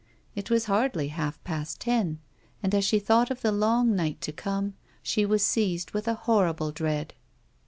It was hardly half past ten, and as she thought of the long night tc come, she was seized with a horrible dread.